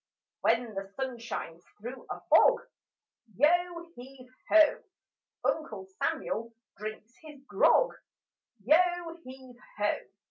When the sun shines through a fog, Yo heave ho! Uncle Samuel drinks his grog: Yo heave ho!